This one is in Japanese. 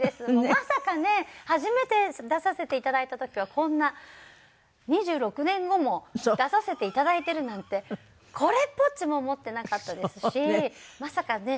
まさかね初めて出させて頂いた時はこんな２６年後も出させて頂いているなんてこれっぽっちも思っていなかったですしまさかね